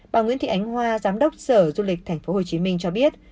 bà nguyễn thị ánh hoa giám đốc sở du lịch tp hcm cho biết